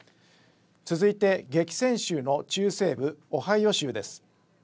続いて激戦州の中西部オハイオ州です。